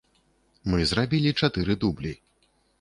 Мы зрабілі чатыры дублі.